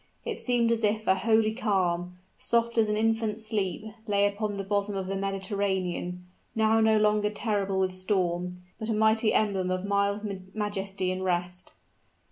It seemed as if a holy calm, soft as an infant's sleep, lay upon the bosom of the Mediterranean, now no longer terrible with storm, but a mighty emblem of mild majesty and rest!